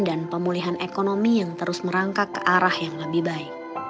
pemulihan ekonomi yang terus merangkak ke arah yang lebih baik